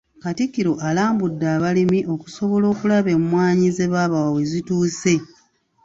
Katikkiro alambudde abalimi okusobola okulaba emmwanyi ze baabawa we zituuse.